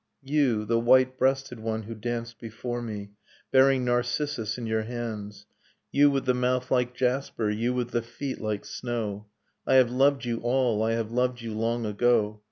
You, the white breasted one who danced before me, Bearing narcissus in your hands ; You with the mouth like jasper, you with the feet like snow. .. I have loved you all, I have loved you long ago.